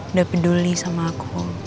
udah peduli sama aku